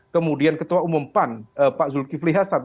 kemudian ketua umum pan pak zulkifli hasan